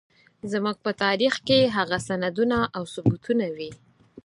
زموږ په تاريخ کې هغه سندونه او ثبوتونه وي.